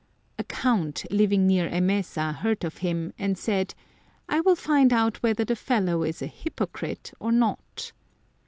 A Count, living near Emesa, heard of him, and said, " I will find out whether the fellow is a hypocrite or not."